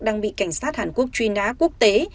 đang bị cảnh sát hàn quốc truy nã quốc tế